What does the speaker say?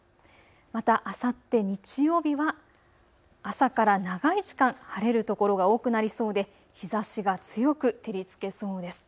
また、あさって日曜日は朝から長い時間、晴れる所が多くなりそうで日ざしが強く照りつけそうです。